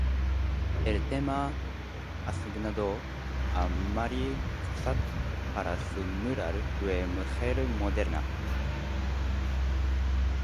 El tema asignado a Mary Cassatt para su mural fue "Mujer Moderna".